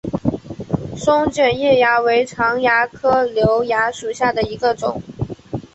桃卷叶蚜为常蚜科瘤蚜属下的一个种。